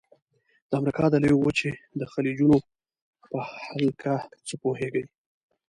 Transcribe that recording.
د امریکا د لویې وچې د خلیجونو په هلکه څه پوهیږئ؟